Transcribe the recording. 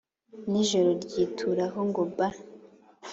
N'ijoro ryituraho ngo ba